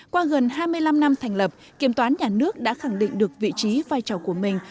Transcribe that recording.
qua gần hai mươi năm năm thành lập kiểm toán nhà nước đã khẳng định được vị trí vai trò của mình